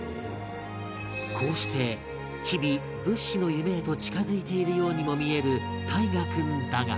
こうして日々仏師の夢へと近付いているようにも見える汰佳君だが